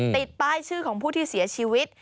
ติดป้ายชื่อของผู้ที่เสียชีวิต